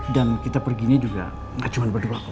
dan kita pergi ini juga gak cuma berdua kok